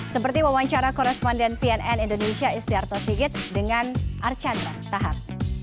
seperti wawancara koresponden cnn indonesia istiarto sigit dengan archandra tahar